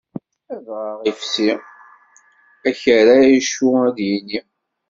Adɣaɣ ifsi, akerra acu ar ad yini.